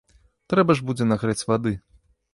Трэба ж будзе нагрэць вады.